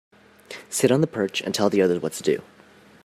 Sit on the perch and tell the others what to do.